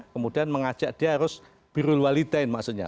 kemudian mengajak dia harus birulwalidain maksudnya